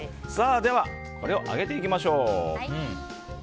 では、これを揚げていきましょう。